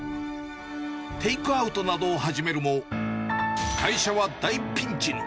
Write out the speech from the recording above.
テイクアウトなどを始めるも、会社は大ピンチに。